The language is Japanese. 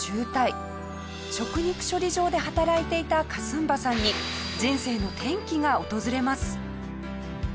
食肉処理場で働いていたカスンバさんに人生の転機が訪れます。